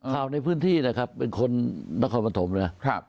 ข่าวในพื้นที่นะครับเป็นคนนครปฐมนะครับ